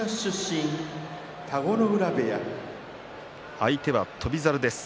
相手は翔猿です。